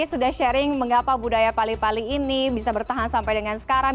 sudah sharing mengapa budaya pali pali ini bisa bertahan sampai dengan sekarang